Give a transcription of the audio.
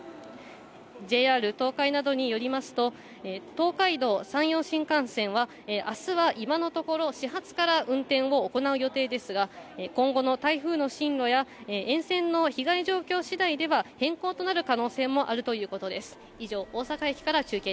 ＪＲ東海などによりますと、東海道・山陽新幹線は、あすは今のところ、始発から運転を行う予定ですが、今後の台風の進路や沿線の被害状況しだいでは、変更となる可能性もあるということです。